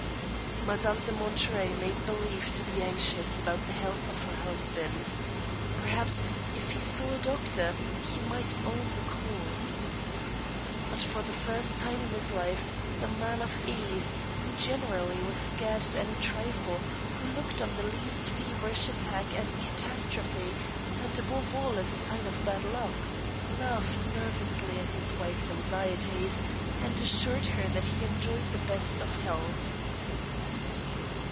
Madame de Monterey made believe to be anxious about the health of her husband. Perhaps, if he saw a doctor, he might own the cause. But for the first time in his life the man of ease, who generally was scared at any trifle, who looked on the least feverish attack as a catastrophe, and above all as a sign of bad luck, laughed nervously at his wife's anxieties, and assured her that he enjoyed the best of health.